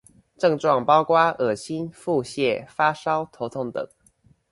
症狀包括噁心、腹瀉、發燒、頭痛等